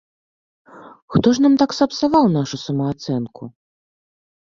Хто ж нам так сапсаваў нашу самаацэнку?